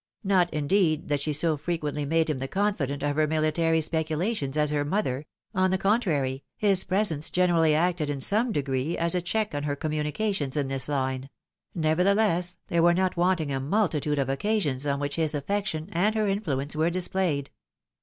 Not, indeed, that she so frequently made him the confident of her military speculations as her mother ; on the contrary, his presence generally acted in some degree as a check on her communications in this Une : nevertheless, there were not wanting a multitude of occasions on which his affection, and her influence, were displayed.